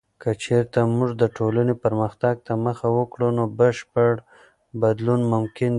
که چیرته موږ د ټولنې پرمختګ ته مخه وکړو، نو بشپړ بدلون ممکن دی.